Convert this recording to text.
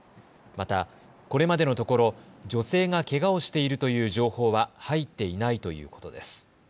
また、これまでのところ女性がけがをしているという情報は入っていないということです。